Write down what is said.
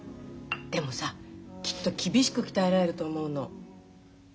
でもさきっと厳しく鍛えられると思うの。